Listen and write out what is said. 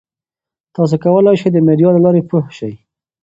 تاسي کولای شئ د میډیا له لارې پوهه شئ.